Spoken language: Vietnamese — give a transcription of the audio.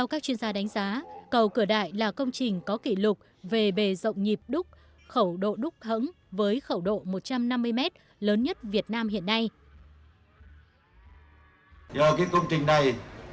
cầu cửa đại là công trình có kỷ lục về bề rộng nhịp đúc khẩu độ đúc hẳn với khẩu độ một trăm năm mươi m lớn nhất việt nam hiện nay